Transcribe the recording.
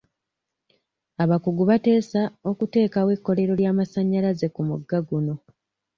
Abakugu baateesa okuteekawo ekkolero ly'amasanyalaze ku mugga guno.